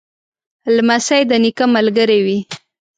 لمسی د نیکه ملګری وي.